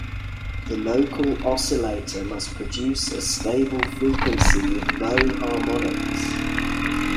The local oscillator must produce a stable frequency with low harmonics.